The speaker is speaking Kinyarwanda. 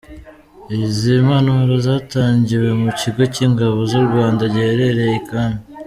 Izi mpanuro zatangiwe mu Kigo cy’Ingabo z’u Rwanda giherereye i Kami.